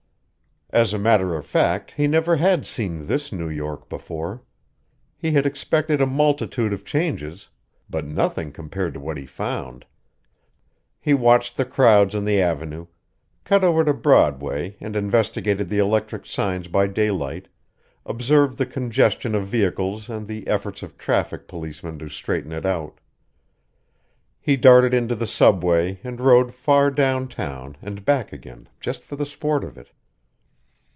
As a matter of fact, he never had seen this New York before. He had expected a multitude of changes, but nothing compared to what he found. He watched the crowds on the Avenue, cut over to Broadway and investigated the electric signs by daylight, observed the congestion of vehicles and the efforts of traffic policemen to straighten it out. He darted into the subway and rode far downtown and back again just for the sport of it.